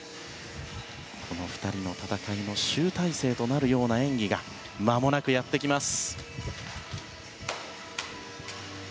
この２人の戦いの集大成となるような演技がまもなくやってきます。